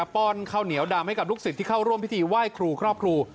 ้อนข้าวเหนียวดำให้กับลูกศิษย์ที่เข้าร่วมพิธีไหว้ครูครอบครู